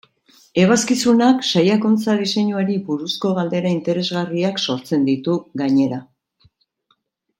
Ebazkizunak saiakuntza diseinuari buruzko galdera interesgarriak sortzen ditu, gainera.